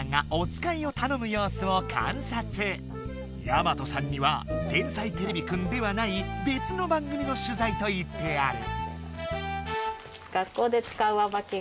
やまとさんには「天才てれびくん」ではないべつの番組の取材と言ってある。